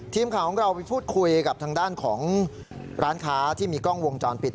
ทีมข่าวของเราไปพูดคุยกับทางด้านของร้านค้าที่มีกล้องวงจรปิด